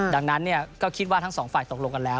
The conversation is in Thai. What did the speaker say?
ดังนั้นก็คิดว่าทั้งสองฝ่ายตกลงกันแล้ว